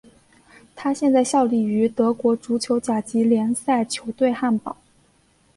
他现在效力于德国足球甲级联赛球队汉堡。